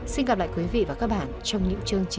xin gặp lại quý vị và các bạn trong những chương trình sau